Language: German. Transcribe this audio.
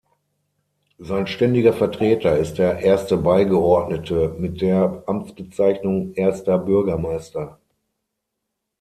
Sein ständiger Vertreter ist der „Erste Beigeordnete“ mit der Amtsbezeichnung „Erster Bürgermeister“.